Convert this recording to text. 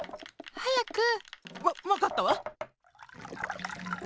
はやく！わわかったわ。